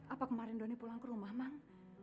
apa kemarin doni pulang ke rumah mang